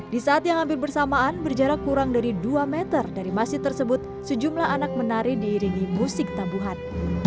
di saat yang hampir bersamaan berjarak kurang dari dua meter dari masjid tersebut sejumlah anak menari diiringi musik tabuhan